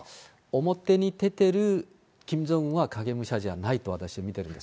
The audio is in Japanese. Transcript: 表に出てるキム・ジョンウンは影武者じゃないと私は見てるんです。